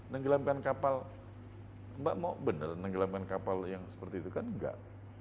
nenggelamkan kapal mbak mau benar nenggelamkan kapal yang seperti itu kan enggak